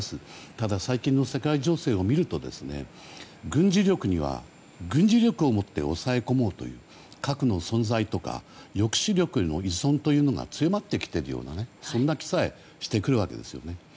ただ、最近の世界情勢を見ると軍事力には軍事力を持って抑え込もうという核の存在とか抑止力への依存というのが強まってきているような気さえしてくるわけですね。